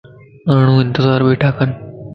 ماڻھون انتظار بيٺاڪن